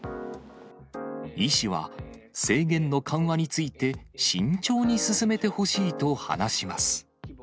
医師は制限の緩和について慎重に進めてほしいと話します。